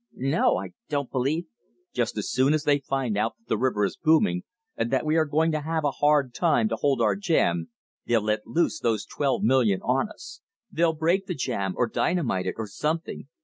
"No, I don't believe " "Just as soon as they find out that the river is booming, and that we are going to have a hard time to hold our jam, they'll let loose those twelve million on us. They'll break the jam, or dynamite it, or something.